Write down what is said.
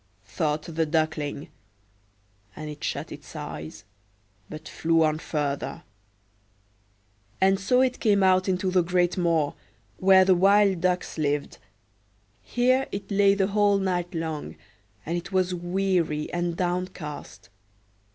thought the Duckling; and it shut its eyes, but flew on further; and so it came out into the great moor, where the wild ducks lived. Here it lay the whole night long; and it was weary and downcast.